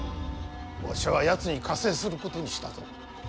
わしはやつに加勢することにしたぞ。